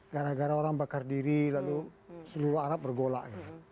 gara gara orang bakar diri lalu seluruh arab bergolak